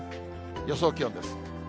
予想気温です。